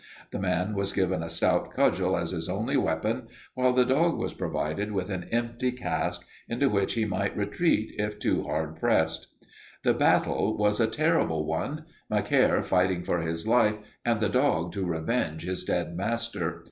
The man was given a stout cudgel as his only weapon, while the dog was provided with an empty cask into which he might retreat if too hard pressed. "The battle was a terrible one, Macaire fighting for his life and the dog to revenge his dead master.